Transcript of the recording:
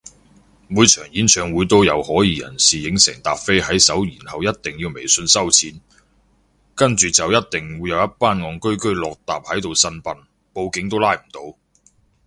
每場演唱會都有可疑人士影成疊飛喺手然後一定要微信收錢，跟住就一定會有一班戇居居落疊喺度呻搵笨，報警都拉唔到